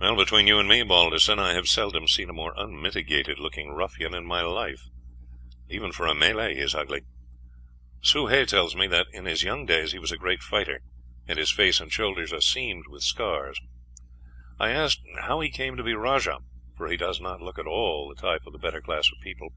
"Between you and me, Balderson, I have seldom seen a more unmitigated looking ruffian in my life; even for a Malay, he is ugly. Soh Hay tells me that in his young days he was a great fighter, and his face and shoulders are seamed with scars. I asked how he came to be rajah; for he does not look at all the type of the better class of people.